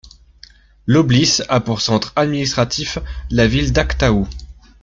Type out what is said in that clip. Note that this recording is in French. L'oblys a pour centre administratif la ville d'Aktaou.